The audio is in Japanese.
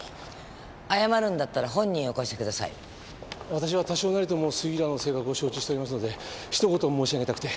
私は多少なりとも杉浦の性格を承知しておりますので一言申し上げたくて。